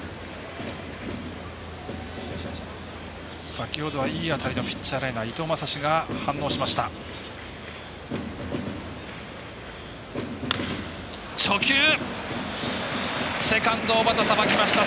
先ほどはいい当たりのピッチャーライナー、伊藤将司が反応しました。